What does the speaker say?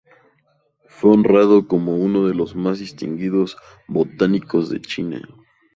Fue honrado como "uno de los más distinguidos botánicos de China".